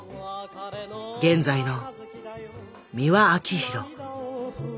現在の美輪明宏。